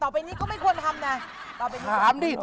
พี่รักบอกแล้วเจ๊ง